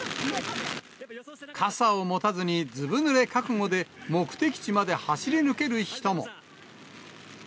傘を持たずに、ずぶぬれ覚悟で、目的地まで走り抜ける人も。